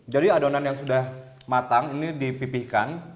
jadi adonan yang sudah matang ini dipipihkan